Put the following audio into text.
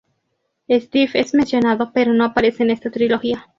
Steve es mencionado pero no aparece en esta trilogía.